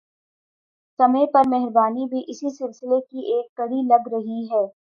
سمیع پر مہربانی بھی اسی سلسلے کی ایک کڑی لگ رہی ہے